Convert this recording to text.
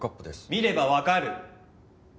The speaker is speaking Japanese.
見ればわかる。